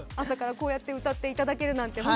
朝からこうやって歌っていただけるなんて